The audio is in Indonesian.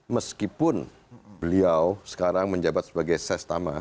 meskipun beliau sekarang menjabat sebagai ses tama